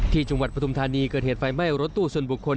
จังหวัดปฐุมธานีเกิดเหตุไฟไหม้รถตู้ส่วนบุคคล